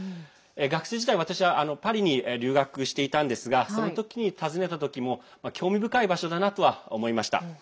学生時代、私はパリに留学していたんですがその時に訪ねた時も興味深い場所だなとは思いました。